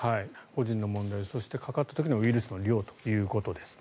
個人の問題そして、かかった時のウイルスの量と。